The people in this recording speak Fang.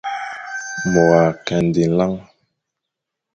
Mor a kandé nlan.